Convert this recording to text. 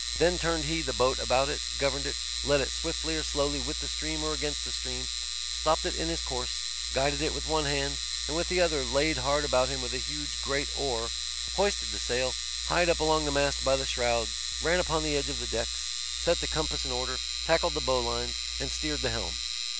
Then turned he the boat about, governed it, led it swiftly or slowly with the stream and against the stream, stopped it in his course, guided it with one hand, and with the other laid hard about him with a huge great oar, hoisted the sail, hied up along the mast by the shrouds, ran upon the edge of the decks, set the compass in order, tackled the bowlines, and steered the helm.